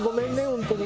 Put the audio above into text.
本当に。